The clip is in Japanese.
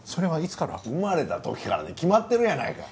生まれた時からに決まってるやないか！